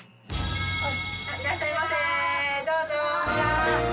いらっしゃいませどうぞ。